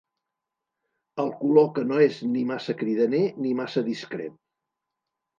El color que no és ni massa cridaner ni massa discret.